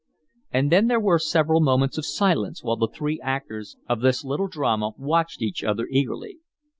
And then there were several moments of silence while the three actors of this little drama watched each other eagerly.